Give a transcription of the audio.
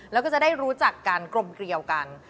แล้วก็จะได้รู้จักกันกลมเกลียวกัน